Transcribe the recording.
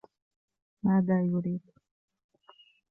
ماذا يريد؟